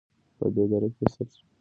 په دې دره کې یوه سړه چینه بهېږي.